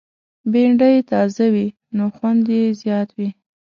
بېنډۍ تازه وي، نو خوند یې زیات وي